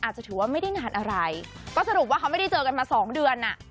อาจจะถือว่าไม่ได้นานอะไรก็สรุปว่าเขาไม่ได้เจอกันมาสองเดือนอ่ะ